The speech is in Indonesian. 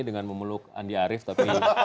dengan memeluk andi arief